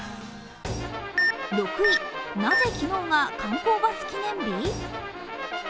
６位、なぜ昨日が観光バス記念日？